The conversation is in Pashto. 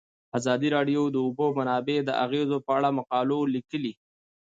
ازادي راډیو د د اوبو منابع د اغیزو په اړه مقالو لیکلي.